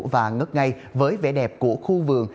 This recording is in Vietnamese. và ngất ngay với vẻ đẹp của khu vườn